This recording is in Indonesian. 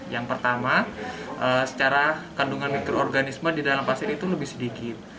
yang pertama secara kandungan mikroorganisme di dalam pasir itu lebih sedikit